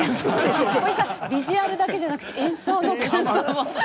大西さんビジュアルだけじゃなくて演奏の感想も。